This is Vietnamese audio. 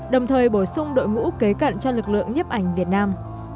đồng thời bổ sung đội ngũ kế cận cho lực lượng nhếp ảnh việt nam